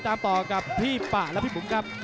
ตามต่อกับพี่ป่าและพี่บุ๋มครับ